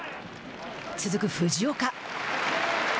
続く藤岡。